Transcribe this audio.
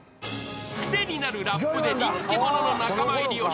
［クセになるラップで人気者の仲間入りをしたジョイマン］